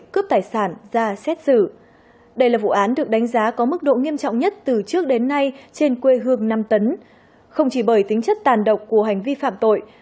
cảm ơn các bạn đã theo dõi